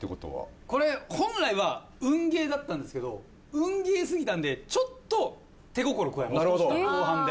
これ本来は運ゲーだったんですけど運ゲーすぎたんでちょっと手心加えました後半で。